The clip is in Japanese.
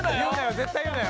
絶対言うなよ。